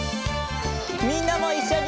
みんなもいっしょに！